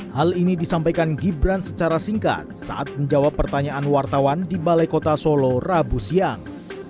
hal ini disampaikan gibran secara singkat saat menjawab pertanyaan wartawan di balai kota solo rabu siang